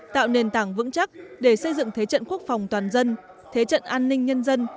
tạo nền tảng vững chắc để xây dựng thế trận quốc phòng toàn dân thế trận an ninh nhân dân